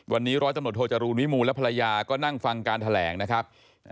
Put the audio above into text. วันนี้ร้อยตำรวจโทจรูลวิมูลและภรรยาก็นั่งฟังการแถลงนะครับ